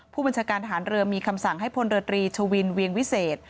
ผู้บัญชาการฐานเรือมีคำสั่งให้พลเรือตรีชวินเวียงวิเศษ